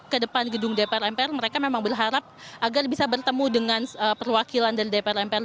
ke depan gedung dpr mpr mereka memang berharap agar bisa bertemu dengan perwakilan dari dpr mpr